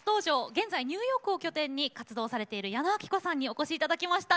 現在ニューヨークを拠点に活動されている矢野顕子さんにお越しいただきました。